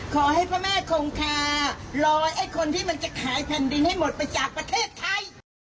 ขอให้พระแม่คงคารอไอ้คนที่มันจะขายแผ่นดินให้หมดไปจากประเทศไทย